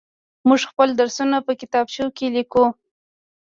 موږ خپل درسونه په کتابچو کې ليكو.